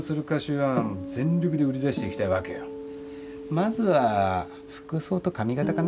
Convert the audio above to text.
まずは服装と髪形かな。